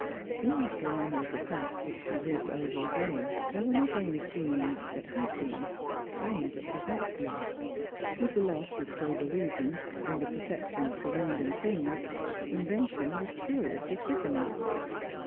In that drama of the past which she lived over again, there were not only scenes that had been, but scenes that had not been. With the loss of sober reason and the perception of surrounding things, invention was curiouly quickened.